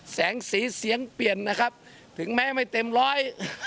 แสงสีเสียงเปลี่ยนนะครับถึงแม้ไม่เต็มร้อย